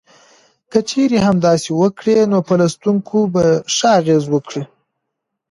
که چېرې همداسې وکړي نو په لوستونکو به ښه اغیز وکړي.